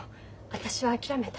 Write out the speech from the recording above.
私は諦めた。